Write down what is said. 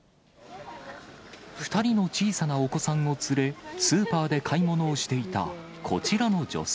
２人の小さなお子さんを連れ、スーパーで買い物をしていたこちらの女性。